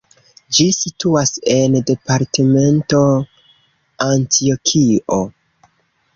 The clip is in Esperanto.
Ĝi situas en departemento Antjokio.